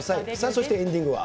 そして、エンディングは。